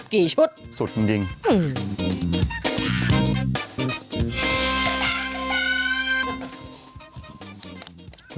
กี่ชุดสุดจริงจริงอืม